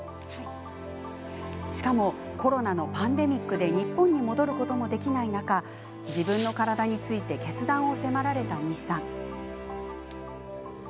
しかも、コロナのパンデミックで日本に戻ることもできない中自分の体について決断を迫られた西さん。